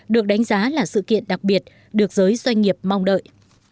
được đánh giá là sự kiện đặc biệt được giới doanh nghiệp mong đợi